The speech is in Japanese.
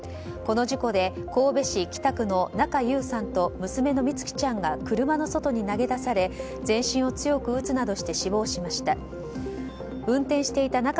この事故で神戸市北区の中優さんと娘の美月ちゃんが車の外に投げ出され全身を強く打つなどして死亡しました。